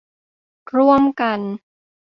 ร่วมกัน